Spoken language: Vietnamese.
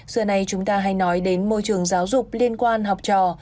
giờ này chúng ta hay nói đến môi trường giáo dục liên quan học trò